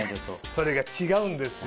それが違うんですよ。